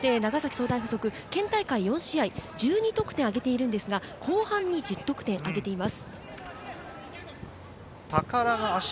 県大会４試合１２得点を挙げているんですが、後半に１０得点を挙げています。